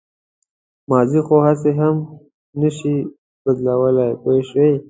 ماضي خو هسې هم نه شئ بدلولی پوه شوې!.